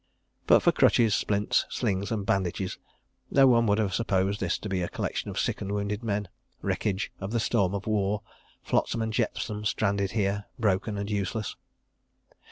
..." But for crutches, splints, slings and bandages, no one would have supposed this to be a collection of sick and wounded men, wreckage of the storm of war, flotsam and jetsam stranded here, broken and useless.